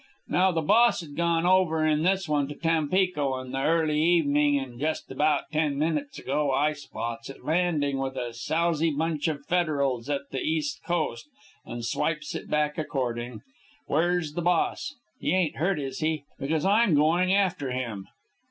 "Now the boss'd gone over in this one to Tampico in the early evening, and just about ten minutes ago I spots it landin' with a sousy bunch of Federals at the East Coast, and swipes it back according. Where's the boss? He ain't hurt, is he? Because I'm going after him."